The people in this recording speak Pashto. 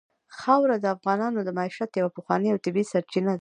خاوره د افغانانو د معیشت یوه پخوانۍ او طبیعي سرچینه ده.